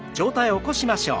起こしましょう。